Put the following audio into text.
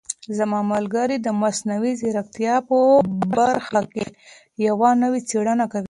زما ملګری د مصنوعي ځیرکتیا په برخه کې یوه نوې څېړنه کوي.